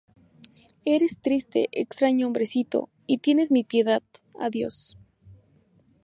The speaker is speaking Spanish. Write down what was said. Eres triste, extraño hombrecito, y tienes mi piedad. Adiós.